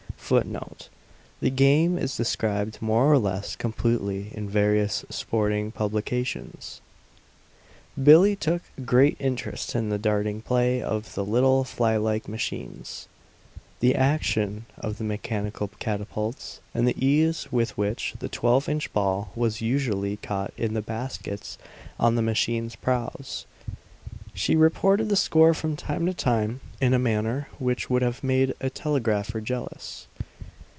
[Footnote: The game is described more or less completely in various sporting publications.] Billie took great interest in the darting play of the little flylike machines, the action of the mechanical catapults, and the ease with which the twelve inch ball was usually caught in the baskets on the machines' prows. She reported the score from time to time in a manner which would have made a telegrapher jealous.